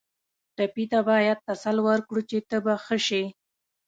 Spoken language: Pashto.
ټپي ته باید تسل ورکړو چې ته به ښه شې.